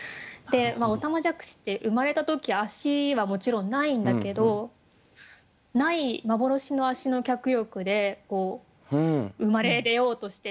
おたまじゃくしって生まれた時脚はもちろんないんだけどない幻の脚の脚力で生まれ出ようとしてる。